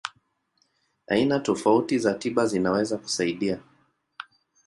Aina tofauti za tiba zinaweza kusaidia.